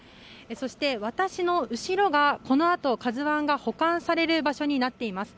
そして、私の後ろがこのあと「ＫＡＺＵ１」が保管される場所になっています。